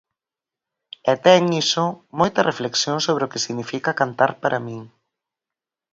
E ten, iso, moita reflexión sobre o que significa cantar para min.